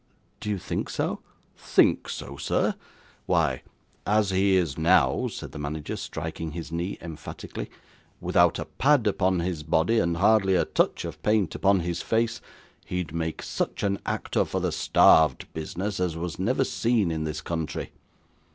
'Do you think so?' 'Think so, sir! Why, as he is now,' said the manager, striking his knee emphatically; 'without a pad upon his body, and hardly a touch of paint upon his face, he'd make such an actor for the starved business as was never seen in this country.